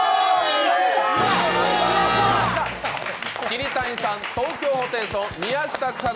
桐谷さん、東京ホテイソン宮下草薙